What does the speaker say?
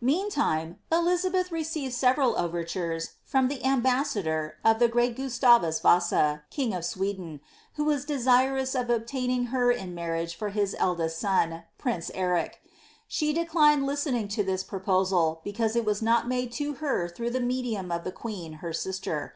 Meantime, Elizabeth received several overtures from the ambassadoi of the great Gustavus Vasa, king of Sweden, who was desirous of ob taining her in marriage for his eldest son. Prince Eric.^ She declined listening to this proposal, because it was not made to her through thi medium of the queen, her sister.